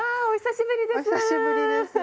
お久しぶりです。